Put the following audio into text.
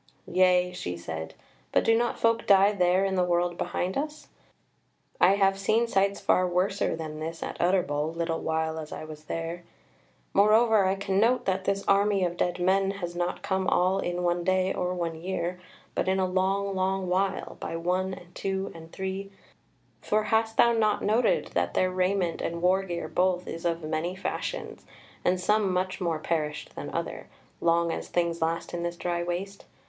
"Yea," she said; "but do not folk die there in the world behind us? I have seen sights far worser than this at Utterbol, little while as I was there. Moreover I can note that this army of dead men has not come all in one day or one year, but in a long, long while, by one and two and three; for hast thou not noted that their raiment and wargear both, is of many fashions, and some much more perished than other, long as things last in this Dry Waste?